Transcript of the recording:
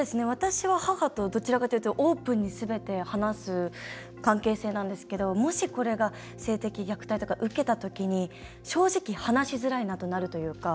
私は母とどちらかというとオープンにすべて話す関係性なんですけど、もしこれが性的虐待とか受けたときに正直、話しづらいなとなるなと。